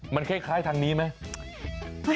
มันคล้ายทางนี้ไหม